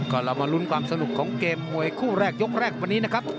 ก็เรามาลุ้นความสนุกของเกมมวยคู่แรกยกแรกวันนี้นะครับ